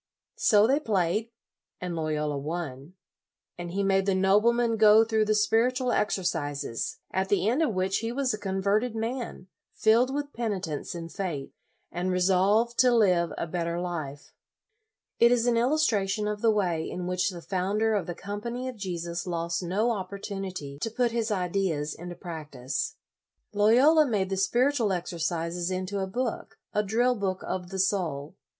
1 So they played, and Loyola won. And he made the nobleman go through the Spiritual Exercises, at the end of which he was a converted man, filled with peni tence and faith, and resolved to live a better life. It is an illustration of the way in which the founder of the Com pany of Jesus lost no opportunity to put his ideas into practice. Loyola made the Spiritual Exercises into a book, a drill book of the soul.